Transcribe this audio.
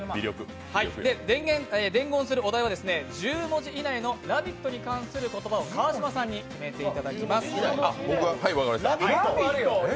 伝言するお題は１０文字以内の「ラヴィット！」に関する言葉を川島さんに決めていただきます。